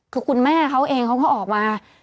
คือคุณแม่เขาเองเขาก็ออกมา